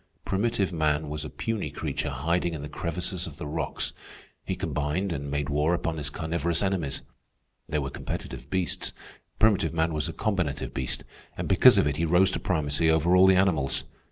Primitive man was a puny creature hiding in the crevices of the rocks. He combined and made war upon his carnivorous enemies. They were competitive beasts. Primitive man was a combinative beast, and because of it he rose to primacy over all the animals.